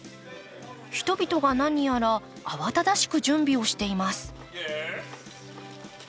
人々が何やら慌ただしく準備をしています。